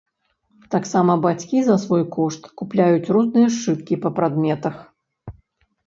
Таксама бацькі за свой кошт купляюць розныя сшыткі па прадметах.